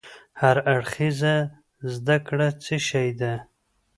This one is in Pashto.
هر اړخيزه زده کړه څه شی ده؟